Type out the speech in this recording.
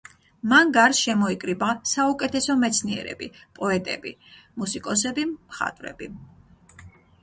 მან გარს შემოიკრიბა საუკეთესო მეცნიერები, პოეტები, მუსიკოსები, მხატვრები.